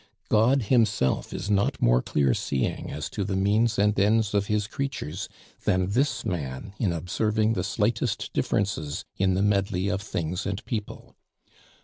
God Himself is not more clear seeing as to the means and ends of His creatures than this man in observing the slightest differences in the medley of things and people.